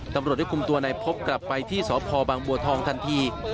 ตำรวจได้คุมตัวนายพบกลับไปที่สพบางบัวทองทันที